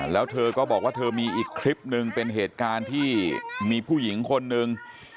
แล้วเธอก็บอกว่าเธอมีอีกคลิปนึงเป็นเหตุการณ์ที่มีผู้หญิงคนหนึ่ง